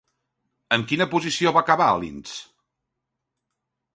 En quina posició va acabar a Linz?